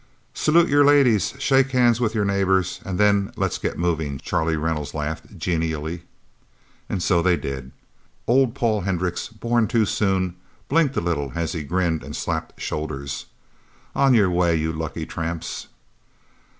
"Salute your ladies, shake hands with your neighbors, and then let's get moving," Charlie Reynolds laughed genially. And so they did. Old Paul Hendricks, born too soon, blinked a little as he grinned, and slapped shoulders. "On your way, you lucky tramps...!"